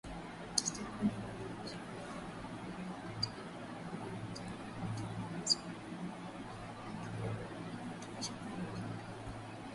Stephanie Williams mshauri maalum kwa Libya wa katibu mkuu wa Umoja wa Mataifa Antonio Guterres, ambaye amekuwa akijaribu kuzipatanisha pande hizo mbili